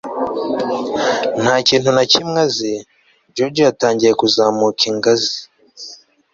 nta kintu na kimwe azi, george yatangiye kuzamuka ingazi